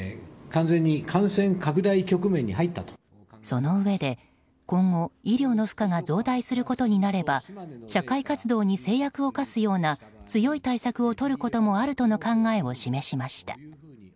そのうえで今後、医療の負荷が増大することになれば社会活動に制約を課すような強い対策をとることもあるとの考えを示しました。